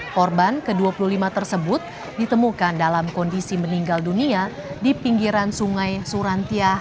korban ke dua puluh lima tersebut ditemukan dalam kondisi meninggal dunia di pinggiran sungai surantiah